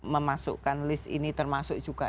memasukkan list ini termasuk juga